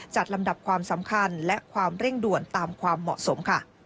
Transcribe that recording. ลำดับความสำคัญและความเร่งด่วนตามความเหมาะสมค่ะ